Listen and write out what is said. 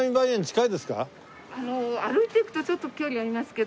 歩いて行くとちょっと距離ありますけど。